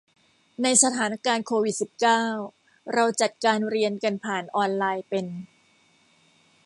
ในสถานการณ์โควิดสิบเก้า เราจัดการเรียนกันผ่านออนไลน์เป็น